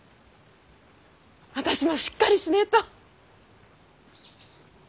私もしっかりしねぇと！